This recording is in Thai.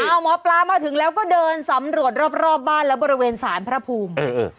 เอาหมอปลามาถึงแล้วก็เดินสำรวจรอบรอบบ้านแล้วบริเวณสารพระภูมิเออ